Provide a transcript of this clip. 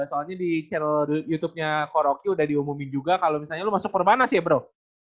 soalnya di channel youtubenya koroki udah diumumin juga kalo misalnya lu masuk perbanas ya bro